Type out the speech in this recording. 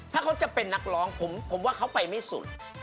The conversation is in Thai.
ถ้าเขาจะเป็นนักร้องผมว่าเขาไปไม่สุด